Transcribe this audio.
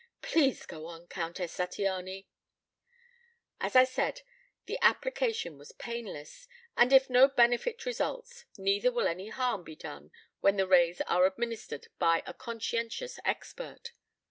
"Please go on, Countess Zattiany." "As I said, the application was painless, and if no benefit results, neither will any harm be done when the Rays are administered by a conscientious expert.